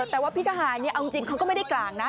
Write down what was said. แต่ว่าพี่ทหารเอาจริงเขาก็ไม่ได้กลางนะ